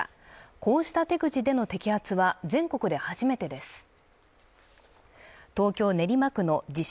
こうした手口での摘発は全国で初めてです東京・練馬区の自称